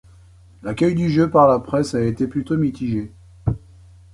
L'accueil du jeu par la presse a été plutôt mitigé.